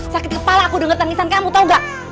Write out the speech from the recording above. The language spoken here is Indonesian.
sakit kepala aku dengar tangisan kamu tau gak